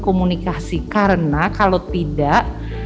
komunikasi karena kalau tidak